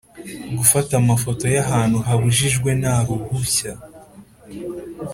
gufata amafoto y ahantu habujijwe nta ruhushya